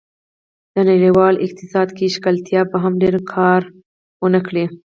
د نړیوال اقتصاد کې ښکېلتیا به هم ډېر کار و نه کړي.